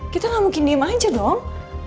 kita gak mungkin diem aja dong